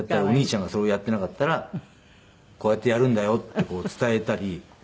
お兄ちゃんがそれをやってなかったらこうやってやるんだよって伝えたり。